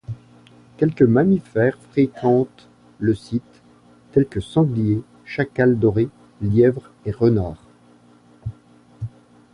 Quelques mammifères fréquentent le site, tels que sangliers, chacals dorés, lièvres et renards.